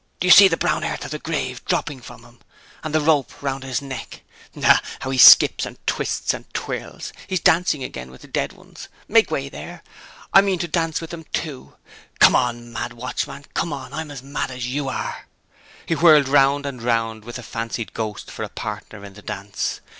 Do you see the brown earth of the grave dropping from him, and the rope round his neck? Ha! how he skips, and twists, and twirls! He's dancing again with the dead ones. Make way there! I mean to dance with them too. Come on, mad watchman come on! I'm as mad as you are!" He whirled round and round with the fancied ghost for a partner in the dance.